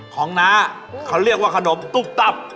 น้าเขาเรียกว่าขนมตุ๊บตับ